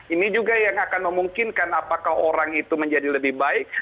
ini juga yang akan memungkinkan apakah orang itu menjadi lebih baik